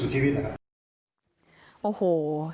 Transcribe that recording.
คุณภรรยาเกี่ยวกับข้าวอ่ะคุณภรรยาเกี่ยวกับข้าวอ่ะ